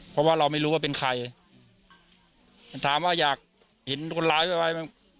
เพราะว่าเราไม่รู้ว่าเป็นใครถามว่าอยากเห็นคนร้ายไว้ไหม